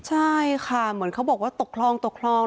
ใช่ค่ะเหมือนเค้าบอกว่าตกลอง